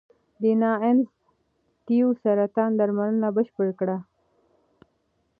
ډیانا اینز د تیو سرطان درملنه بشپړه کړې.